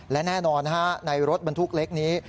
และแน่นอนในรถบรรทุกเล็กนี้